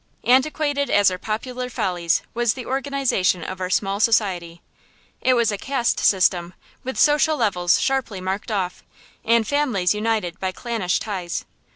Antiquated as our popular follies was the organization of our small society. It was a caste system with social levels sharply marked off, and families united by clannish ties.